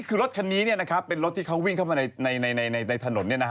คือรถคันนี้นะครับเป็นรถที่เขาวิ่งมาในถนน